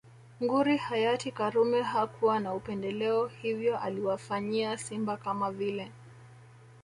Nguri hayati karume hakuwa na upendeleo hivyo aliwafanyia simba kama vile